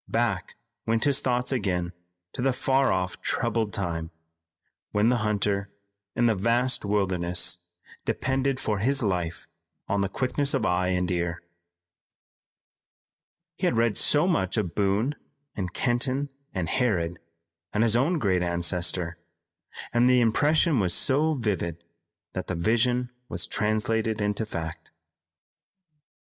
Back went his thoughts again to the far off troubled time, when the hunter in the vast wilderness depended for his life on the quickness of eye and ear. He had read so much of Boone and Kenton and Harrod, and his own great ancestor, and the impression was so vivid, that the vision was translated into fact.